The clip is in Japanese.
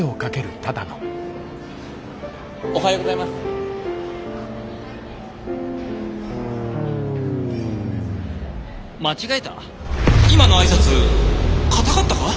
今の挨拶かたかったか？